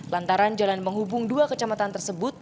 lantaran jalan penghubung dua kecamatan tersebut